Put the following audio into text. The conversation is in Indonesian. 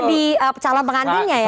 di calon pengandilnya ya